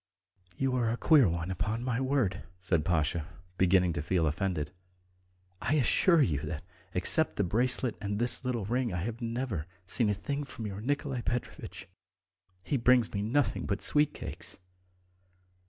"You are a queer one, upon my word," said Pasha, beginning to feel offended. "I assure you that, except the bracelet and this little ring, I've never seen a thing from your Nikolay Petrovitch. He brings me nothing but sweet cakes."